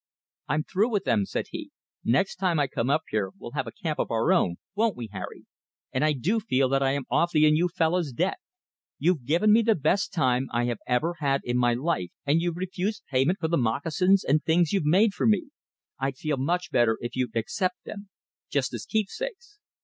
"I'm through with them," said he. "Next time I come up here we'll have a camp of our own, won't we, Harry? And I do feel that I am awfully in you fellows' debt. You've given me the best time I have ever had in my life, and you've refused payment for the moccasins and things you've made for me. I'd feel much better if you'd accept them, just as keepsakes."